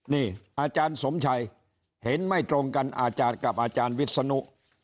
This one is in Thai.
นี่อาจารย์สมชัยเห็นไม่ตรงกันอาจารย์กับอาจารย์วิศนุ